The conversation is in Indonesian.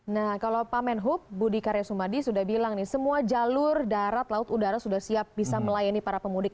nah kalau pak menhub budi karya sumadi sudah bilang nih semua jalur darat laut udara sudah siap bisa melayani para pemudik